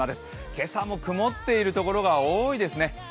今朝も曇っている所が多いですね。